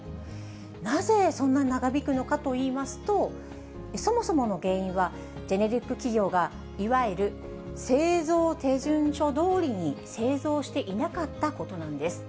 なぜ、そんな長引くのかといいますと、そもそもの原因は、ジェネリック企業が、いわゆる製造手順書どおりに製造していなかったことなんです。